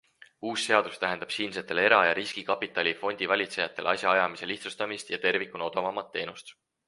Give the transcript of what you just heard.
Uus seadus tähendab siinsetele era- ja riskikapitali fondivalitsejatele asjaajamise lihtsustamist ja tervikuna odavamat teenust.